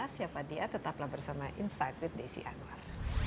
siapa dia tetaplah bersama insight with desi anwar